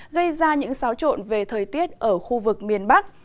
gây ra những xáo trộn về thời tiết ở khu vực miền bắc